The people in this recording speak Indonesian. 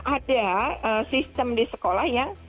ada sistem di sekolah yang